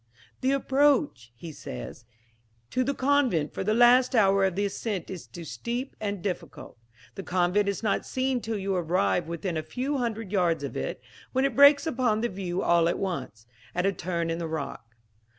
"The approach," he says, "to the convent for the last hour of the ascent is steep and difficult. The convent is not seen till you arrive within a few hundred yards of it; when it breaks upon the view all at once, at a turn in the rock.